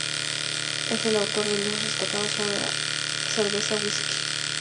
Es el autor de libros destacados sobre cerveza y whisky.